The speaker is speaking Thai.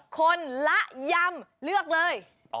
คนละยำเลือกเลย